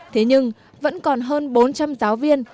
thế nhưng vẫn còn hơn bốn trăm linh giáo viên